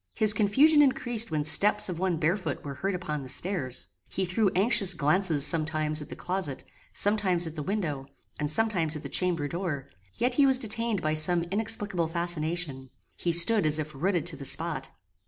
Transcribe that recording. His confusion increased when steps of one barefoot were heard upon the stairs. He threw anxious glances sometimes at the closet, sometimes at the window, and sometimes at the chamber door, yet he was detained by some inexplicable fascination. He stood as if rooted to the spot.